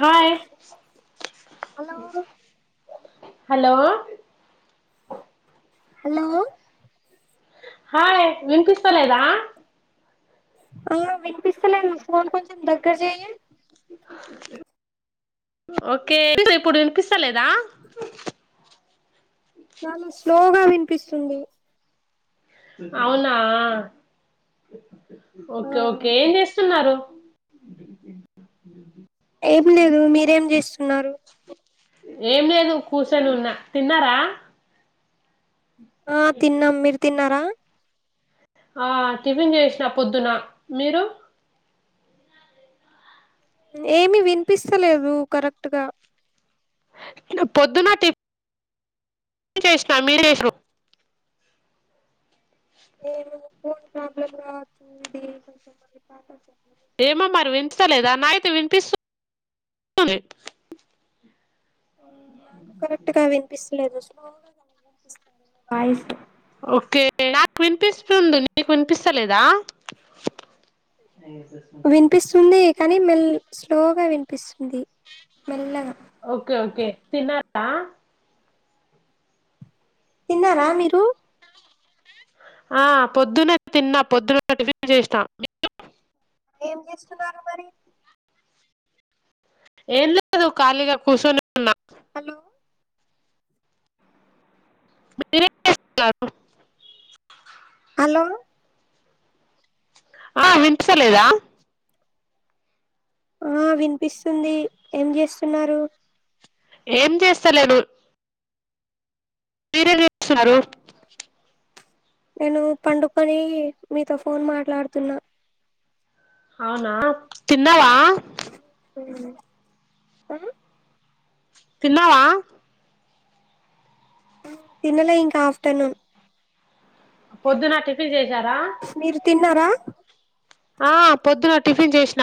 Hi hello hello hello hi వినిపిస్తాలేదా ఆ వినిపిస్తలేదు ఫోన్ కొంచెం దగ్గర చేయ్య ఓకే ఇప్పుడు వినిపిస్త లేదా నాను స్లోగా వినిపిస్తుంది అవునా ఓకే ఆ ఓకే ఏం చేస్తున్నారు ఏం లేదు మీరేం చేస్తున్నారు ఏం లేదు కూసోని ఉన్న తిన్నారా ఆ తిన్నాం మీరు తిన్నారా ఆ టిఫిన్ చేసిన పొద్దున మీరు ఏమి వినిపిస్తలేదు కరెక్ట్ గా పొద్దున్న టిఫి టిఫిన్ చేసినా మీరు చేసిరు ఏం ఫోన్ ప్రాబ్లమ్ రా చుది కొంచెం [inaudible] ఏమో మరి వినిపలేదు అ నాకు అయితే వినిపిస్తు కరెక్ట్ గా వినిపిస్తలేదు స్లోగా వినిపిస్తుంది [inaudible] వాయిస్ ఓకే నాకు వినిపిస్తుంది నీకు వినిపిస్తలేదా ఐ స్ స్ [inaudible] వినిపిస్తుంది కానీ మెల్ స్లోగా వినిపిస్తుంది మెల్లగా ఓకే ఓకే తిన్నారా తిన్నారా మీరు ఆ పొద్దున తిన్నా పొద్దున్న టిఫిన్ చేసినా మీరు ఏం చేస్తున్నారు మరి ఏంలేదు కాలిగా కుసుని హలో మీరు ఏం చేస్తున్నారు హలో ఆ వినిపిస్తలేదా ఆ వినిపిస్తుంది ఏం చేస్తున్నారు ఏం చేస్తలేను మీరేం చేస్తున్నారు నేను పండుకొని మీతో ఫోన్ మాట్లాడుతున్నా అవునా తిన్నవా ఆ తిన్నావా తిన్నలే ఇంకా ఆఫ్టర్నూన్ పొద్దున టిఫిన్ చేశారా మీరు తిన్నారా ఆ పొద్దున టిఫిన్ చేసిన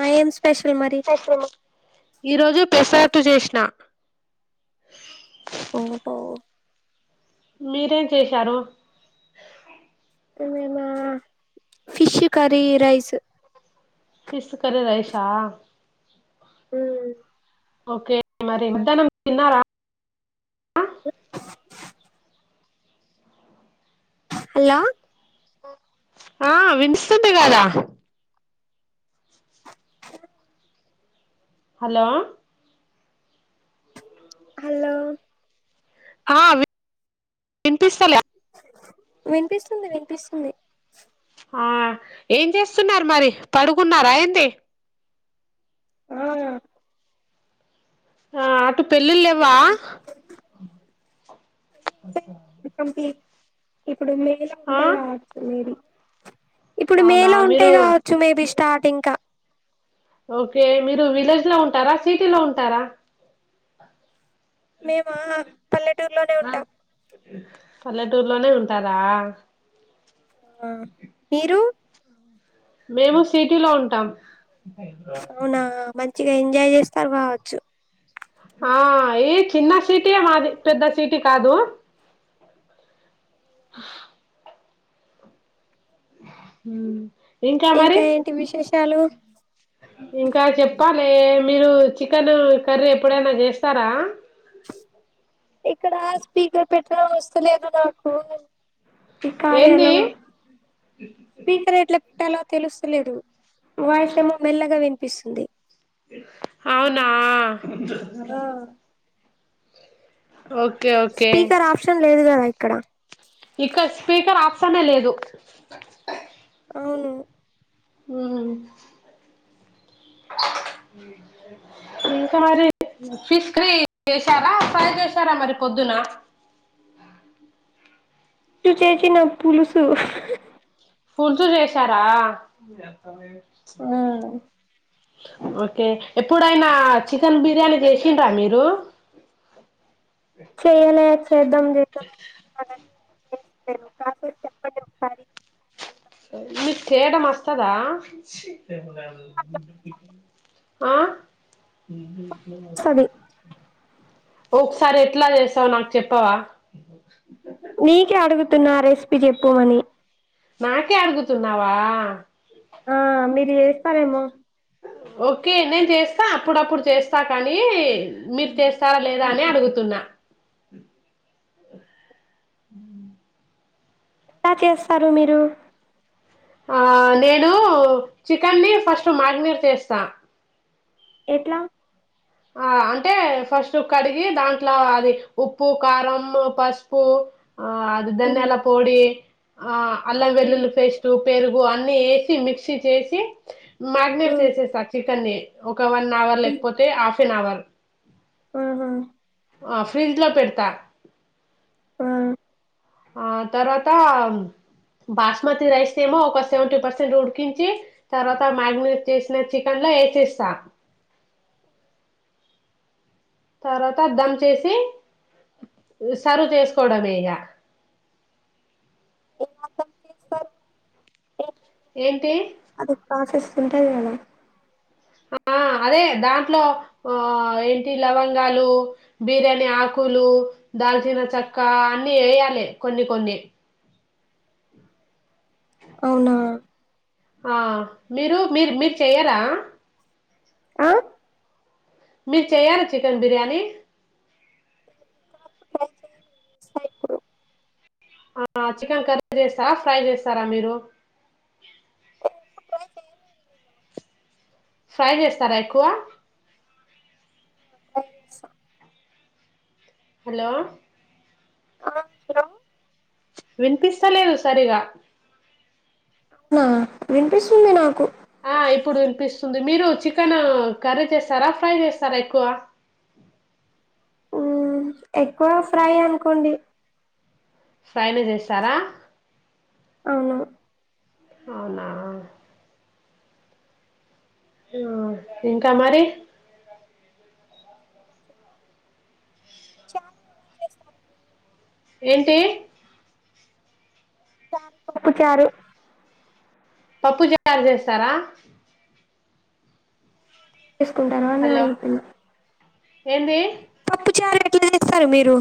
ఆ ఏం స్పెషల్ మరి ఈరోజు పెసరట్టు చేసిన ఓహో మీరేం చేశారు నేనా fish curry rice fish curry రైసా హ ఓకే మరి ఏద్దానం తిన్నారా హల ఆ వినిపిస్తుంది గదా హలో హలో ఆ విన్ వినిపిస్తలే వినిపిస్తుంది వినిపిస్తుంది ఆ ఏం చేస్తున్నారు మరి పడుకున్నార ఏంది ఆ ఆ పెళ్ళిళ్ళు లేవ్వా కంప్లీట్ ఇప్పుడు మేలు ఆ ఉంటాయి కావచ్చు నీళ్లు ఇప్పుడు మే అవునా లో ఉంటే మీరు కావచ్చు మేబీ స్టార్ ఇంకా ఓకే మీరు విలేజ్ లో ఉంటారా సిటీ లో ఉంటారా మే మా పల్లెటూరులోనే ఉంటారా మీరు మేము సిటీ లో ఉంటాం చే ఎంజాయ్ చేస్తారు కావచ్చు ఆ ఏ చిన్న సీటీయ మాది పెద్ద సీటీ కాదు అ హ ఇంకా ఏంటి విశేషాలు ఇంకా చెప్పాలి మీరు చికెన్ కర్రీ ఎప్పుడైనా చేస్తారా ఇక్కడ స్పీకర్ పెట్టడం వస్తలేదు నాకు ఈ కార్యా ఏంది లో స్పీకర్ ఎట్ల పట్టాలో తెలుస్తలేదు వాయిస్ ఏమో మెల్లగా వినిపిస్తుంది అవునా ఆ ఓకే ఓకే స్పీకర్ ఆప్షన్ లేదు కదా ఇక్కడ ఇక్కడ స్పీకర్ ఆప్షన్ ఎ లేదు అవును మ్మ్ ఇంకా మరి ఫిష్ క్రీ చేసారా ఫ్రై చేశారా మరి పొద్దున చ్చు చేచిన పులుసు పులుసు చేసారా ఓకే ఎప్పుడైనా చికెన్ బిర్యానీ చేసిండ్రా మీరు చెయలే చేద్దాం చేద్దాం అనుకున్నా గానీ చేలేను కాస చెప్పండి ఒకసారి ఏదో మీకు చేయడం వస్తదా అట్లా ఆ కొంచెం వస్తది ఒకసారి ఎట్లా చేసావు నాకు చెప్పవా నీకే అడుగుతున్నా ఆ రెసిపీ చెప్పుమని నాకే అడుగుతున్నావా ఆ మీరు చేస్తారేమో ఓకే నేను చేస్తా అప్పుడప్పుడు చేస్తా కానీ మీరు చేస్తారా లేదా అని అడుగుతు తున్నా హ్మ్ ఎలా చేస్తారు మీరు ఆ నేను చికెన్ని ని ఫస్ట్ మ్యారినేట్ చేస్తా ఎట్లా ఆ అంటే ఫస్ట్ కడిగి దాంట్లో అది ఉప్పు కారం పసుపు ఆ అది ఉమ్, ధాన్యాల పొడి ఆ అల్లం ఉమ్, వెల్లుల్లి పేస్ట్ పెరుగు అన్ని వేసి మిక్సీ చేసి మారినేట్ ఉమ్, చేసేస్త చికెన్ని ఒక వన్ అవర్ లేకపోతే హాఫ్ ఎన్ అవర్ హా ఆ ఫ్రిడ్జ్ లో పెడతా ఆ ఆ తరువాత బాస్మతి రైస్ ఏమో ఒక సెవెంటీ పర్సెంట్ ఉడికించి తర్వాత మ్యారీనేట్ చేసిన చికెన్ ను వేసేస్తా అ తర్వాత దమ్ చేసి సర్వ్ చేసుకోవడమే ఇక ఏంటి అదే ప్రొసెస్ ఉంటది కథ ఆ! అదే దాంట్లో ఆ ఏంటి లవంగాలు బిర్యానీ ఆకులు దాల్చిన చెక్క అన్ని వేయాలే కొన్ని కొన్ని అవునా ఆ మీరు మీరు మీరు చెయ్యరా ఆ మీరు చెయ్యారా చికెన్ బిర్యానీ ట్రై చేయలేదు చేస్తా ఇప్పుడు ఆ చికెన్ కర్రీ చేస్తారా ఫ్రై చేస్తారా మీరు ఎప్పుడు ట్రై చేయలేదు నేను ఫ్రై చేస్తారా ఎక్కువ పైరస హలో ఆ సలో వినిపిస్తలేదు సరిగా నా వినిపిస్తుంది నాకు ఆ ఇప్పుడు వినిపిస్తుంది మీరు చికెన్ కర్రీ చేస్తారా ఫ్రై చేస్తారా ఎక్కువ మ్మ్ ఎక్కువ ఫ్రై అనుకోండి ఫ్రైను చేసరా అన అవునా హు ఇంకా మరి చాలా ఎలా చేస్తారు మీరు ఏంటి చారు పప్పు చారు పప్పు ఛారు చేస్తారా తీసుకుంటాను అని అడుగుతున్న ఎంది పప్పు చారు ఎట్లా చేస్తారు మీరు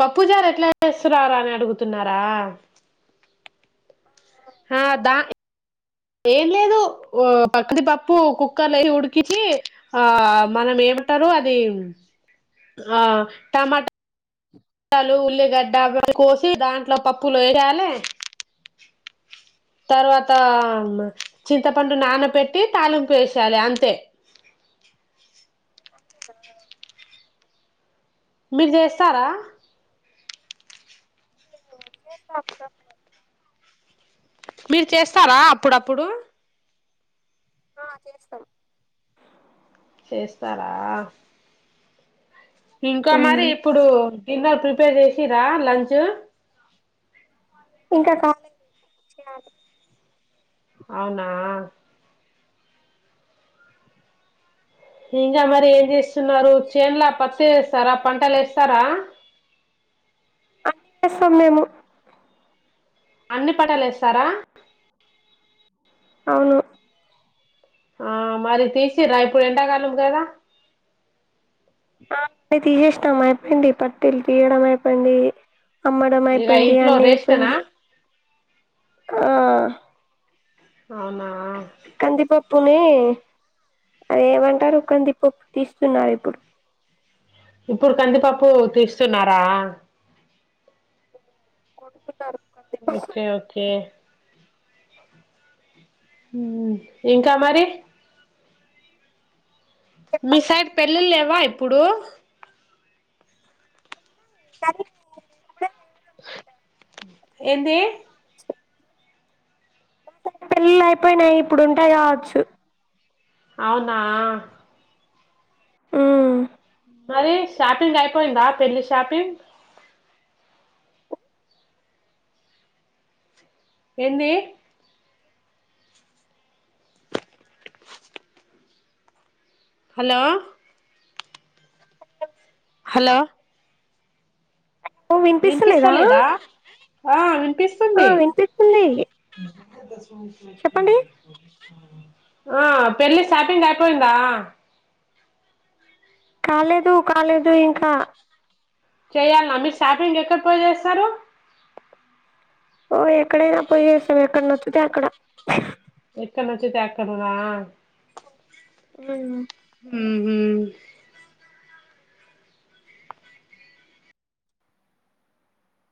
పప్పుజారు ఎట్లా చేస్తున్నారు అని అడుగుతున్నారా ఆ దానికి ఏం లేదు పక్కని పప్పు కుక్కర్ అయి ఉడికించి ఆ మనం ఏమంటారు అది ఆ టమాటా లు ఉల్లిగడ్డ కోసి దాంట్లో పప్పులు వేయాలి తర్వాత చింతపండు నాన పెట్టి తాలింపు వేసెయలి అంతే అంతేనా మీరు చేస్తారా చేస్త అప్పుడప్పుడు మీరు చేస్తారా అప్పుడప్పుడు ఆ చేస్తాం చేస్తారా ఇంకా మరి ఇప్పుడు డిన్నర్ ప్రిపేర్ చేసిరా లంచ్ ఇంకా కాలేదు చేయాలి అవునా ఇంకా మరి ఏం చేస్తున్నారు చేన్లో పత్తి వేస్తారా పంటలు వేస్తారా అన్ని చేస్తాం మేము అన్ని పంటలు వేస్తారా అవును ఆ మరి తీసిర్ర ఇప్పుడు ఎండాకాలం కదా ఆ అ తీసేసాం అయిపోయింది పత్తిలు తీయడం అయిపోయింది అమ్మడం ఇక అయిపోయింది ఇంట్లో అన్నీ రేస్టేనా అయిపోయింది ఆ అవునా కందిపప్పు పప్పుని అదేమంటారు కంది పప్పు తీస్తున్నారు ఇప్పుడు ఇప్పుడు కందిపప్పు తీస్తున్నారా కొడుతుంటారు ఓకే ఓకే ఉ ఇంకా మరి మీ చెప్పాలి సైడ్ పెళ్ళిళ్ళు లేవా ఇప్పుడు ఉన్నాయి కానీ [inaudible] అనుకుంటా ఏందీ పెళ్ళిళ్ళు అయిపోయినాయి ఇప్పుడు ఉంటాయి కావచ్చు అవునా ఉ మరి షాపింగ్ అయిపోయిందా పెళ్ళి షాపింగ్ ఏందీ హలో హలో ఓ వినిపిస్తా వినిపిస్తలేదా లేదా ఆ ఆ వినిపిస్తుంది వినిపిస్తుంది చెప్పండి ఆ పెళ్ళి షాపింగ్ అపోయిందా కాలేదు కాలేదు ఇంకా చేయాలానా మీరు షాపింగ్ ఎక్కడి పోయి చేస్తారు. ఓ ఎక్కడైనా పోయి చేస్తాం ఎక్కడనొచ్చితే అక్కడ ఎక్కడనచ్చితే అక్కడనా ఉ ఉ హు